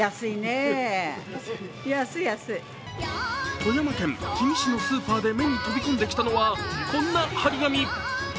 富山県氷見市のスーパーで目に飛び込んできたのは、こんな貼り紙。